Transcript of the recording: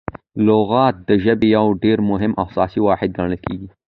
لغت د ژبي یو ډېر مهم او اساسي واحد ګڼل کیږي.